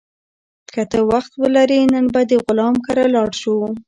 که ته وخت ولرې، نن به د غلام کره لاړ شو.